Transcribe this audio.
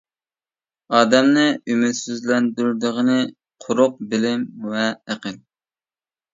ئادەمنى ئۈمىدسىزلەندۈرىدىغىنى قۇرۇق بىلىم ۋە ئەقىل.